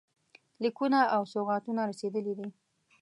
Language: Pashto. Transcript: لیکونه او سوغاتونه رسېدلي دي.